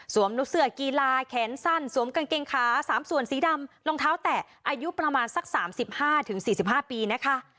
เสือกีฬาแขนสั้นสวมกางเกงขา๓ส่วนสีดำรองเท้าแตะอายุประมาณสัก๓๕๔๕ปีนะคะ